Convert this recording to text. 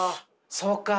そうか。